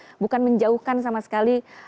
jadi bukan bukan menjauhkan sama sekali